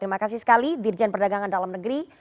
terima kasih sekali dirjen perdagangan dalam negeri